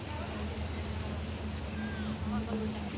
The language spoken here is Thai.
สวัสดีครับทุกคน